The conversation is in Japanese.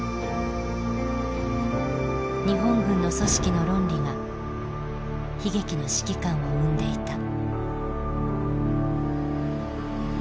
日本軍の組織の論理が悲劇の指揮官を生んでいた。